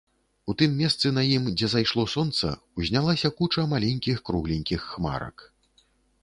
У тым месцы на ім, дзе зайшло сонца, узнялася куча маленькіх кругленькіх хмарак.